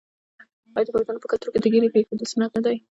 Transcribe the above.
آیا د پښتنو په کلتور کې د ږیرې پریښودل سنت نه دي؟